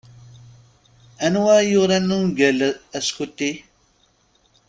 Anwa i yuran ungal Askuti?